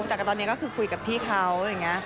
แต่ตอนนี้ก็คือคุยกับพี่เขาอะไรอย่างนี้